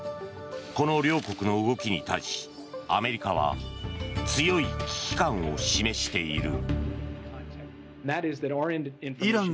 この両国の動きに対しアメリカは強い危機感を示している。